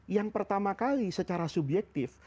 yang pertama kali secara subjektif